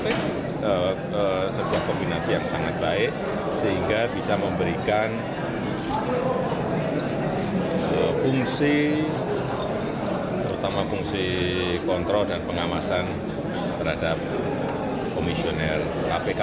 ini sebuah kombinasi yang sangat baik sehingga bisa memberikan fungsi terutama fungsi kontrol dan pengawasan terhadap komisioner kpk